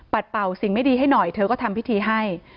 เป่าสิ่งไม่ดีให้หน่อยเธอก็ทำพิธีให้